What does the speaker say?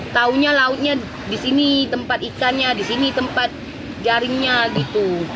taunya lautnya di sini tempat ikannya di sini tempat jaringnya gitu